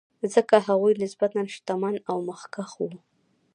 ځکه هغوی نسبتا شتمن او مخکښ وو.